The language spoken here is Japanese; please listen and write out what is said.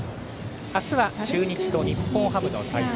明日は中日と日本ハムの対戦。